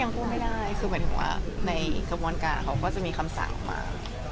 ก็ยังพูดไม่ได้คือเหมือนหัวในกระบวนการเขาก็จะมีคำสั่งมา